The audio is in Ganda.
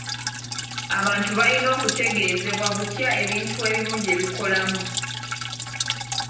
Abantu balina okutegeezebwa butya ebintu ebimu gye bikolamu.